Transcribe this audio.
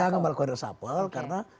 jangan melakukan resapel karena